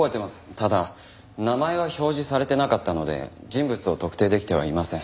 ただ名前は表示されてなかったので人物を特定できてはいません。